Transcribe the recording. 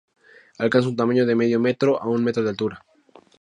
Alcanza un tamaño de medio metro a un metro de altura.